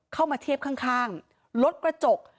เข้ามาเทียบข้างรถกระจก